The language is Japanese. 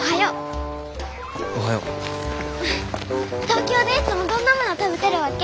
東京でいつもどんなもの食べてるわけ？